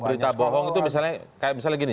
berita bohong itu misalnya kayak misalnya gini